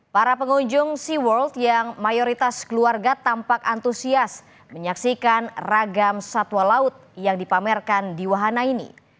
para pengunjung sea world yang mayoritas keluarga tampak antusias menyaksikan ragam satwa laut yang dipamerkan di wahana ini